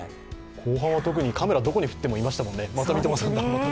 後半は特にカメラどこに振ってもいましたもんね、また三笘さんだ